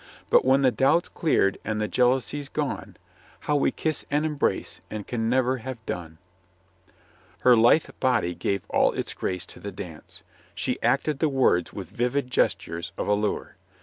But when the doubt's cleared and the jealousy's gone, How we kiss and embrace, and can never have done ! Her lithe body gave all its grace to the dance. She acted the words with vivid gestures of allure.